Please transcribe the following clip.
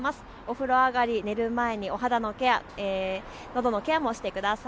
風呂上がり、寝る前にお肌のケア、のどのケアもしてください。